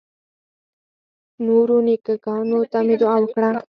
نورو نیکه ګانو ته مې دعا وکړه.